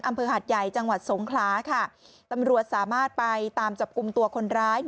หัดใหญ่จังหวัดสงขลาค่ะตำรวจสามารถไปตามจับกลุ่มตัวคนร้าย